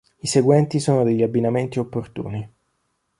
I seguenti sono degli abbinamenti opportuni.